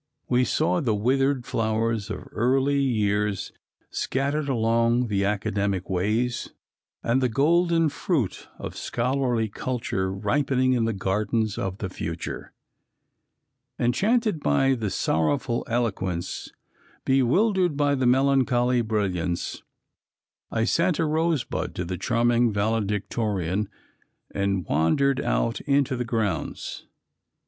We saw the withered flowers of early years scattered along the academic ways, and the golden fruit of scholarly culture ripening in the gardens of the future. Enchanted by the sorrowful eloquence, bewildered by the melancholy brilliancy, I sent a rosebud to the charming valedictorian and wandered out into the grounds.